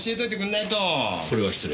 それは失礼。